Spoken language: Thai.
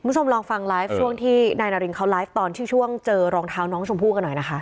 คุณผู้ชมลองฟังไลฟ์ช่วงที่นายนารินเขาไลฟ์ตอนที่ช่วงเจอรองเท้าน้องชมพู่กันหน่อยนะคะ